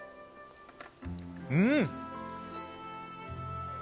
うん！